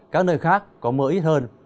các nơi khác có mưa ít hơn